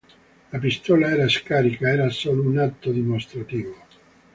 La pistola era scarica, era solo un atto dimostrativo.